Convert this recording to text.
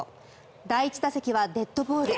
第１打席はデッドボール。